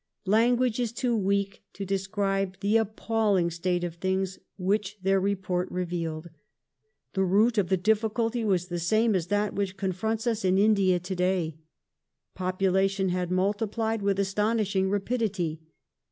Language is too weak to describe the appalling state of things which their report revealed. The root of the difficulty was the same as that which confronts us in India to day. Population had multiplied with astonishing rapidity.